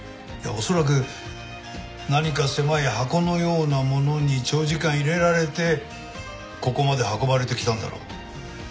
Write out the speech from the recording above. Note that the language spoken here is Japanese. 恐らく何か狭い箱のようなものに長時間入れられてここまで運ばれてきたんだろう。